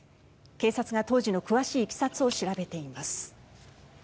警察が当時の詳しいいきさつを調べています。